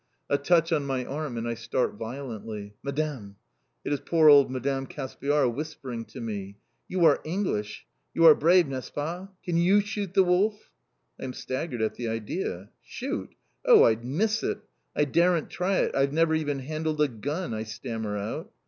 A touch on my arm and I start violently. "Madame!" It is poor old Madame Caspiar whispering to me. "You are English. You are brave n'est ce pas? Can you shoot the wolf." I am staggered at the idea. "Shoot! Oh! I'd miss it! I daren't try it. I've never even handled a gun!" I stammer out.